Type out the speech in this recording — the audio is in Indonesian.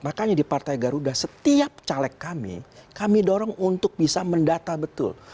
makanya di partai garuda setiap caleg kami kami dorong untuk bisa mendata betul